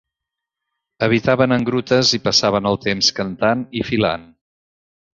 Habitaven en grutes i passaven el temps cantant i filant.